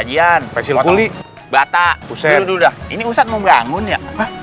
ini ustadz mau bangun ya